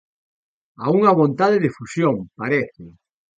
A unha vontade de fusión, parece.